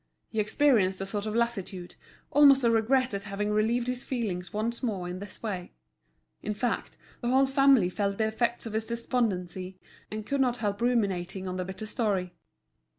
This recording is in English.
He experienced a sort of lassitude, almost a regret at having relieved his feelings once more in this way. In fact, the whole family felt the effects of his despondency, and could not help ruminating on the bitter story.